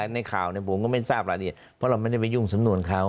ในข่่าวเนี่ยผมก็ไม่ทราบหรอกเพราะเราไม่ได้ไปยุ่งสำนวนเขา